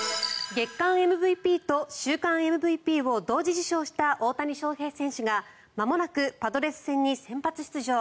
月間ＭＶＰと週間ＭＶＰを同時受賞した大谷翔平選手がまもなくパドレス戦に先発出場。